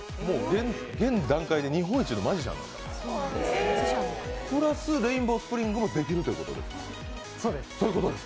現段階で日本一のマジシャン、プラスでレインボースプリングもできるということですね。